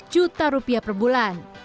juta rupiah per bulan